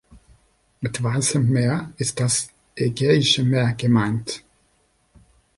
Mit „Weißem Meer“ ist das Ägäische Meer gemeint.